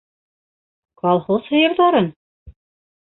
Колхоз һыйырҙарын?!